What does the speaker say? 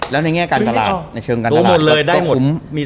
แล้วในแง่เรื่องการตลาด